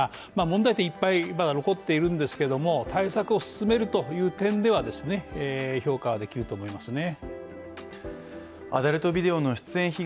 問題点いっぱいまだ残っているんですけれども対策を進めるという点ではですね評価できると思いますね。